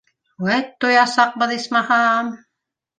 Үәт, туясаҡбыҙ, исмаһам.